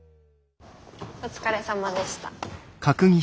お疲れさまでした。